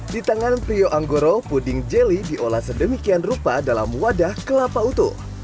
di tangan prio anggoro puding jeli diolah sedemikian rupa dalam wadah kelapa utuh